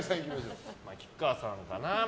菊川さんかな。